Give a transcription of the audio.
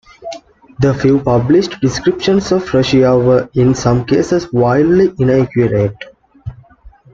The few published descriptions of Russia were in some cases wildly inaccurate.